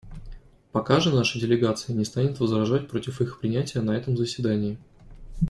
Пока же наша делегация не станет возражать против их принятия на этом заседании.